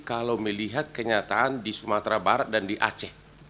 kalau melihat kenyataan di sumatera barat dan di aceh